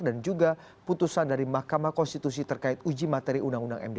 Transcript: dan juga putusan dari mahkamah konstitusi terkait uji materi undang undang md tiga